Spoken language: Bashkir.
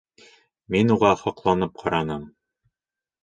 Мин уға һоҡланып ҡараным.